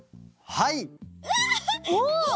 はい。